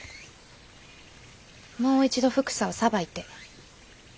もう一度ふくさをさばいて。